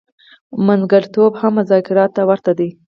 منځګړتوب هم مذاکراتو ته ورته دی.